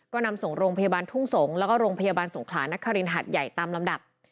ก็นำส่งโรงพยาบาลทุ่งสงศ์แล้วก็โรงพยาบาลสงขลานครินหัดใหญ่ตามลำดับ